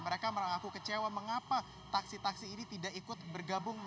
mereka mengaku kecewa mengapa taksi taksi ini tidak ikut bergabung